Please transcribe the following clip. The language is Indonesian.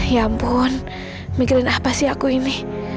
ya ampun mikirin apa sih aku ini